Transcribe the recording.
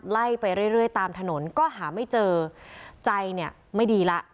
ไล่ไปเรื่อยตามถนนก็หาไม่เจอใจเนี่ยไม่ดีละ